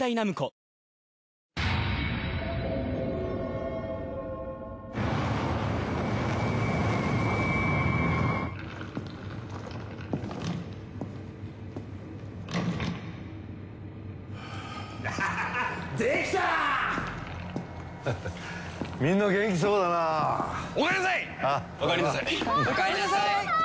おかえりなさい！